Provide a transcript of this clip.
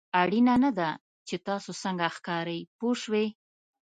اړینه نه ده چې تاسو څنګه ښکارئ پوه شوې!.